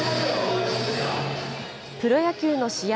プロ野球の試合